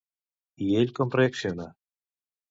I ell com reacciona?